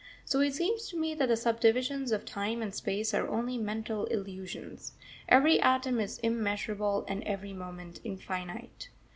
So it seems to me that the subdivisions of time and space are only mental illusions. Every atom is immeasurable and every moment infinite.